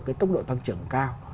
cái tốc độ tăng trưởng cao